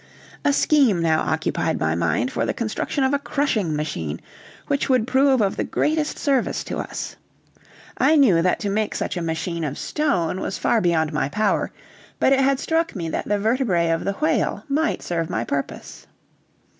A scheme now occupied my mind for the construction of a crushing machine, which would prove of the greatest service to us. I knew that to make such a machine of stone was far beyond my power, but it had struck me that the vertebræ of the whale might serve my purpose.